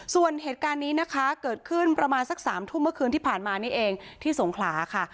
ส่วนเหตุการณ์นี้นะคะเกิดขึ้นประมาณสักสามทุ่มเมื่อคืนที่ผ่านมานี่เองที่สงขลาค่ะ